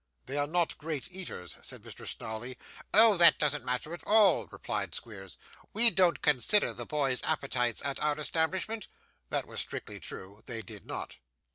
'They are not great eaters,' said Mr. Snawley. 'Oh! that doesn't matter at all,' replied Squeers. 'We don't consider the boys' appetites at our establishment.' This was strictly true; they did not.